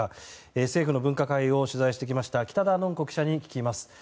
政府の分科会を取材してきました北田暢子記者に聞きます。